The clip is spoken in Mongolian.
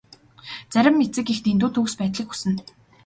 Зарим эцэг эх дэндүү төгс байдлыг хүсдэг.